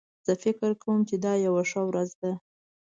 زه فکر کوم چې دا یو ښه ورځ ده